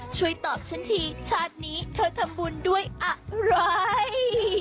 ช่วยตอบฉันทีชาตินี้เธอทำบุญด้วยอะไร